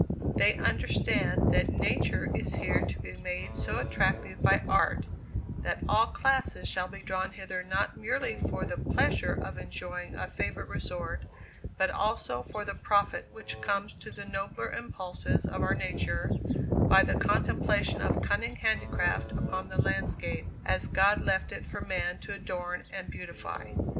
They understand that Nature is here to be made so attractive by Art, that all classes shall be drawn hither not merely for the pleasure of enjoying a favorite resort but also for the profit which comes to the nobler impulses of our nature, by the contemplation of cunning handicraft upon the landscape, as God left it for man to adorn and beautify.